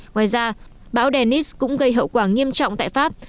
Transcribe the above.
ngoài ra bão dennis cũng gây hậu quả nghiêm trọng tại pháp